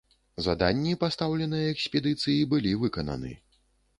Заданні, пастаўленыя экспедыцыі, былі выкананы.